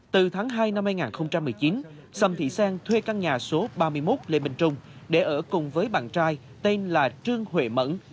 từ tháng hai năm hai nghìn một mươi chín sầm thị sang thuê căn nhà số ba mươi một lê minh trung để ở cùng với bạn trai tên là trương huệ mẫn